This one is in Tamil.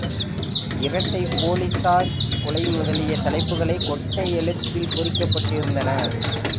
இரட்டைப் போலிஸார் கொலை முதலிய தலைப்புகள் கொட்டை எழுத்துக்களில் பொறிக்கப்பட்டிருந்தன.